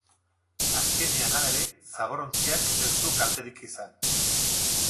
Azkenean halere, zaborrontziak ez du kalterik izan.